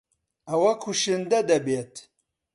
ئەوە کوشندە دەبێت.